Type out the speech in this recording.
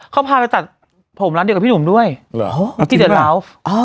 เขาพาไปตัดผมร้านเดียวกับพี่หนุ่มด้วยที่เดือดร้อน